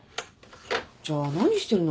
じゃ何してるの？